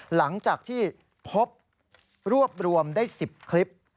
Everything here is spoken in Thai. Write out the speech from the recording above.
หลังจากที่พบรวบรวมได้๑๐คลิป